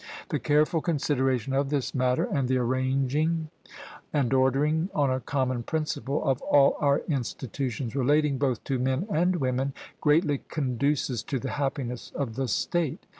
The careful consideration of this matter, and the arranging and ordering on a common principle of all our institutions relating both to men and women, greatly conduces to the happiness of the state.